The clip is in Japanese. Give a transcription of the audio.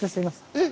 えっ！